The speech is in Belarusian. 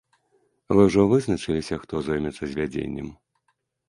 Вы ўжо вызначыліся, хто зоймецца звядзеннем?